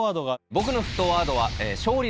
僕の沸騰ワードは。